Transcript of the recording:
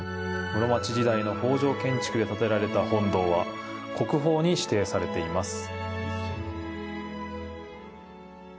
室町時代の方丈建築で建てられた本堂は国宝に指定されています。